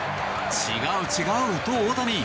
違う、違うと大谷。